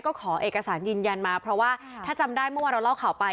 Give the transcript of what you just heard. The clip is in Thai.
ก็ขอเอกสารยืนยันมาเพราะว่าถ้าจำได้เมื่อวานเราเล่าข่าวไป